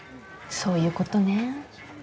そういうことね。